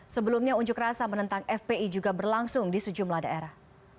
sebelumnya unjuk rasa menentang fpi juga berlangsung di sejumlah daerah